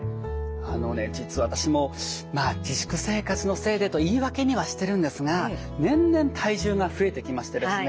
あのね実は私も自粛生活のせいでと言い訳にはしてるんですが年々体重が増えてきましてですね